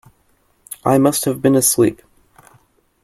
I must have been asleep.